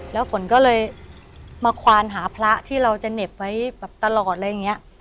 แล้วฝนก็เลยมาควานหาพระที่เราจะเหน็บไว้แบบตลอดอะไรอย่างนี้